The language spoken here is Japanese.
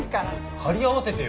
張り合わせてよ。